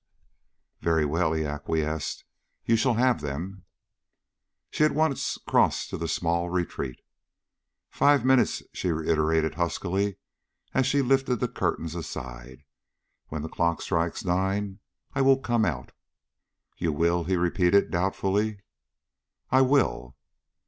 "Very well," he acquiesced; "you shall have them." She at once crossed to the small retreat. "Five minutes," she reiterated huskily, as she lifted the curtains aside; "when the clock strikes nine I will come out." "You will?" he repeated, doubtfully. "I will."